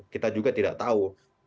kita juga tidak tahu